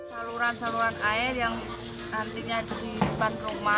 saluran saluran air yang nantinya di depan rumah